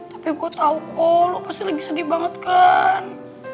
tapi gue tau kok lu pasti lagi sedih banget kan